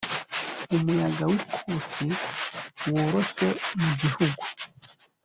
umuyaga w ikusi woroshye mu gihugu